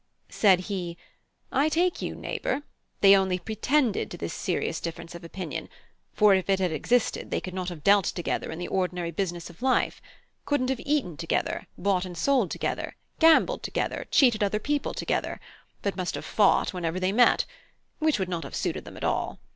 Said he: "I take, you, neighbour; they only pretended to this serious difference of opinion; for if it had existed they could not have dealt together in the ordinary business of life; couldn't have eaten together, bought and sold together, gambled together, cheated other people together, but must have fought whenever they met: which would not have suited them at all.